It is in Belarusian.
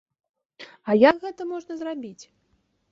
А як гэта можна зрабіць?